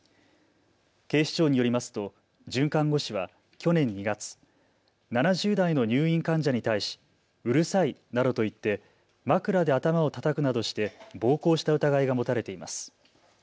警視庁によりますと准看護師は去年２月、７０代の入院患者に対し、うるさいなどと言って枕で頭をたたくなどして暴行した疑いが持たれています。